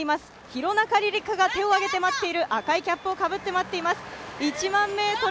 廣中璃梨佳が手を挙げて待っている、赤いキャップをかぶって待っています。